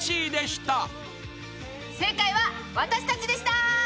正解は私たちでした。